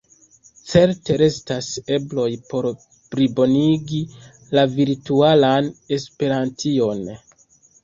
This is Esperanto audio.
Certe restas ebloj por plibonigi la virtualan Esperantion.